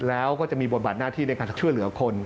แล้วก็จะมีบทบาทหน้าที่ในการจะช่วยเหลือคน